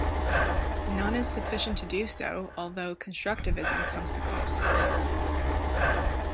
None is sufficient to do so, although constructivism comes the closest.